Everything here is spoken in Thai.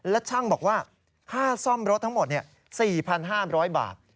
และช่างบอกว่าค่าซ่อมรถทั้งหมด๔๕๐๐บาท